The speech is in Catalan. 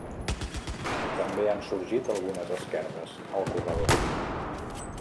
També han sorgit algunes esquerdes al corredor.